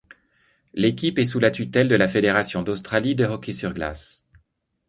L'équipe est sous la tutelle de la Fédération d'Australie de hockey sur glace.